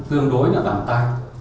tương đối là bằng tay